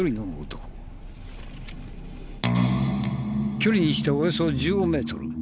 距離にしておよそ１５メートル。